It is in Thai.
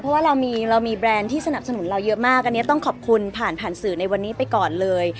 เพราะว่าเรามีแบรนด์ที่สนับสนุนเราเยอะมากอันนี้ต้องขอบคุณผ่านผ่านสื่อในวันนี้ไปก่อนเลย